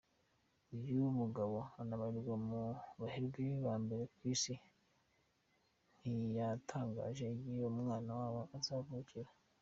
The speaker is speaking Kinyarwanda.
Uyu mugabo unabarirwa mu baherwe ba mbere ku Isi, ntiyatangaje igihe umwana wabo azavukira.